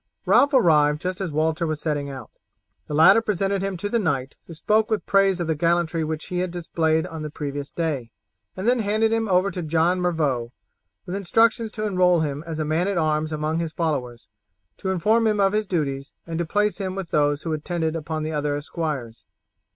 Ralph arrived just as Walter was setting out. The latter presented him to the knight, who spoke with praise of the gallantry which he had displayed on the previous day, and then handed him over to John Mervaux, with instructions to enroll him as a man at arms among his followers, to inform him of his duties, and to place him with those who attended upon the other esquires.